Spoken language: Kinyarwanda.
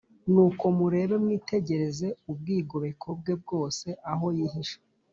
Nuko murebe mwitegereze ubwigobeko bwe bwose, aho yihisha